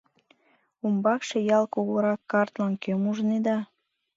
Умбакше Ял кугурак картлан кӧм ужнеда?